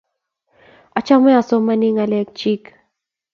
Achame asomani ngalekyik